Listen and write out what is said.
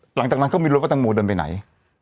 หลังจากนั้นก็ไม่รู้ว่าตังโมเดินไปไหน